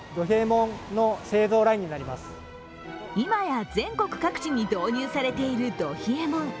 今や全国各地に導入されているど冷えもん。